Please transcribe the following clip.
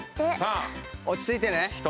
落ち着いてね。